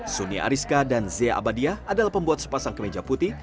suni ariska dan zia abadiah adalah pembuat sepasang kemeja putih